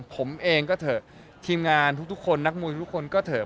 ผมเองก็เถอะทีมงานทุกคนนักมวยทุกคนก็เถอะ